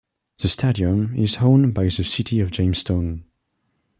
The stadium is owned by the City of Jamestown.